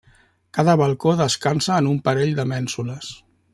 Cada balcó descansa en un parell de mènsules.